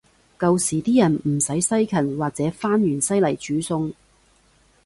舊時啲人唔使西芹或者番芫茜來煮餸